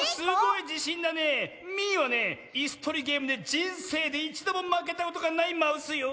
ミーはねいすとりゲームでじんせいでいちどもまけたことがないマウスよ。